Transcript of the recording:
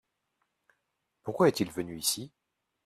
Pourquoi est-il venu ici ?